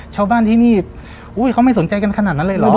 ชาวบ้านที่นี่เขาไม่สนใจกันขนาดนั้นเลยเหรอ